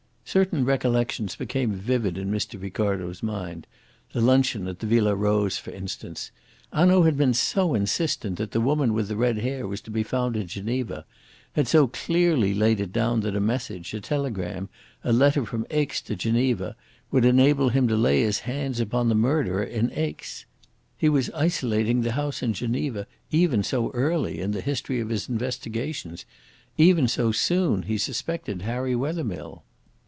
Certain recollections became vivid in Mr. Ricardo's mind the luncheon at the Villa Rose, for instance. Hanaud had been so insistent that the woman with the red hair was to be found in Geneva, had so clearly laid it down that a message, a telegram, a letter from Aix to Geneva, would enable him to lay his hands upon the murderer in Aix. He was isolating the house in Geneva even so early in the history of his investigations, even so soon he suspected Harry Wethermill.